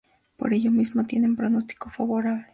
Por ello mismo tienen pronóstico favorable.